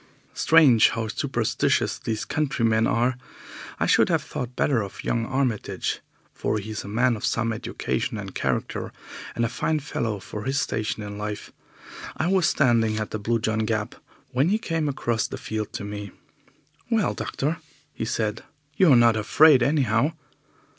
Strange how superstitious these countrymen are! I should have thought better of young Armitage, for he is a man of some education and character, and a very fine fellow for his station in life. I was standing at the Blue John Gap when he came across the field to me. "Well, doctor," said he, "you're not afraid, anyhow."